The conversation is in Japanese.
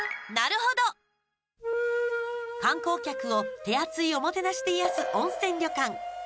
観光客を手厚いおもてなしで癒やす温泉旅館。